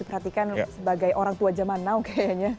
perhatikan sebagai orang tua zaman now kayaknya